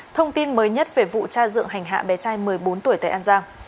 thông tin mới nhất về vụ tra dựng hành hạ bé trai một mươi bốn tuổi tại an giang